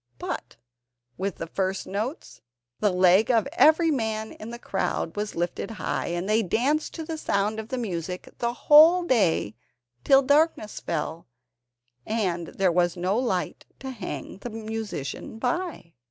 But with the first notes, the leg of every man in the crowd was lifted high, and they danced to the sound of the music the whole day till darkness fell, and there was no light to hang the musician by.